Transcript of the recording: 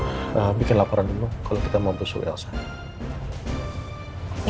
ma mama boleh tolong bikin laporan dulu kalau kita mau besok elsa ya